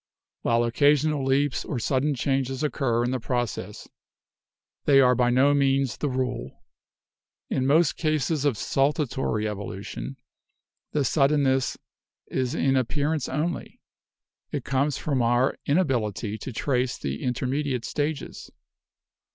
While occasional leaps or sudden changes occur in the process, they are by no means the rule. In most cases of 'saltatory evolution' the suddenness is in appearance only. It comes from our inability to trace the intermediate stages.